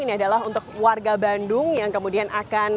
ini adalah untuk warga bandung yang kemudian akan